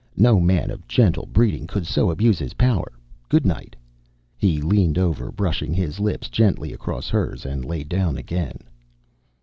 No man of gentle breeding could so abuse his power. Goodnight." He leaned over, brushing his lips gently across hers, and lay down again.